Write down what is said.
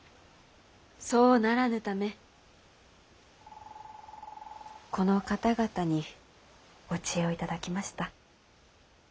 そうならぬためこの方々にお知恵を頂きました。